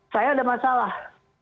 saya ada masalah